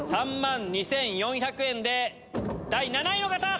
３万２４００円で第７位の方！